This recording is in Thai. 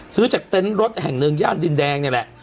ซื้อจากเต็นต์รถแห่งหนึ่งย่านดินแดงนี่แหละ